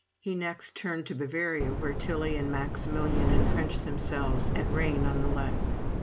He next turned to Bavaria, where Tilly and Maximilian entrenched themselves at Rain on the Lech.